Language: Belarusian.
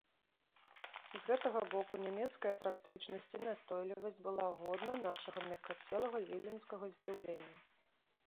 З гэтага боку нямецкая практычнасць і настойлівасць была годна нашага мяккацелага віленскага здзіўлення.